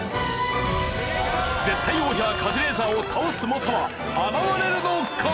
絶対王者カズレーザーを倒す猛者は現れるのか！？